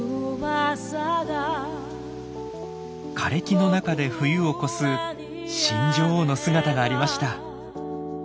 枯れ木の中で冬を越す新女王の姿がありました。